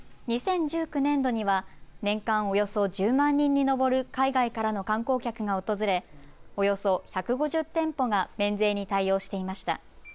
２０１９年度には年間およそ１０万人に上る海外からの観光客が訪れ、およそ１５０店舗が免税に対応していました。